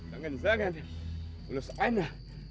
jangan jangan bulus hana